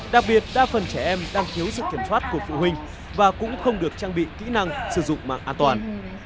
đặc biệt đa phần trẻ em đang thiếu sự kiểm soát của phụ huynh và cũng không được trang bị kỹ năng sử dụng mạng an toàn